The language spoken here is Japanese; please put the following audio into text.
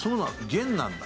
「現」なんだ。